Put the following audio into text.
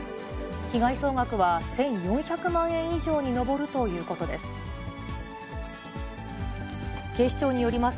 被害総額は１４００万円以上に上るということです。